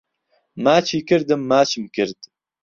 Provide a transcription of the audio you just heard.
ماچی کردم ماچم کرد